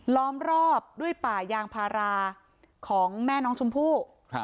ล้อมรอบด้วยป่ายางพาราของแม่น้องชมพู่